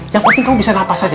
yang penting kamu bisa nafas aja